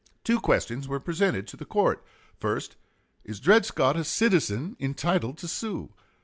Two questions were presented to the court: First, Is Dred Scott a citizen entitled to sue?